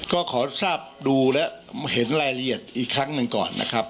ก็ขอทราบดูและเห็นรายละเอียดอีกครั้งหนึ่งก่อนนะครับ